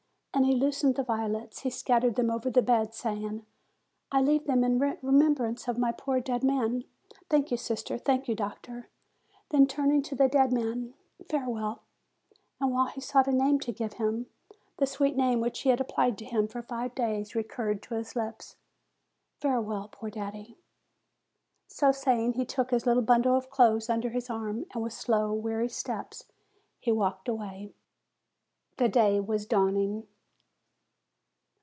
And loosening the violets, he scattered them over the bed, saying: "I leave them in remembrance of my poor, dead man. Thank you, sister! thank you, doctor!" Then, turning to the dead man, "Farewell " And while he sought a name to give him, the sweet name which he had ap plied to him for five days recurred to his lips, "Farewell, poor daddy!" So saying, he took his little bundle of clothes under his arm, and, with slow, weary steps, he walked away. The day was dawning.